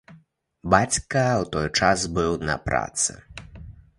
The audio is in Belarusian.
Бацька ў той час быў на працы.